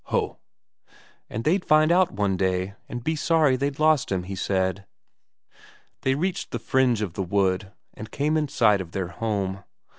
"Ho!" "And they'd find out one day, and be sorry they'd lost him, he said." They reached the fringe of the wood, and came in sight of their home.